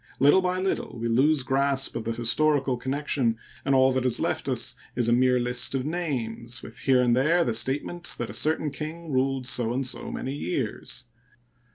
Little by little we lose grasp of the historical connection, and all that is left us is a mere list of names, with here and there the statement that a certain king ruled so and so many years.